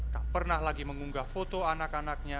tak pernah lagi mengunggah foto anak anaknya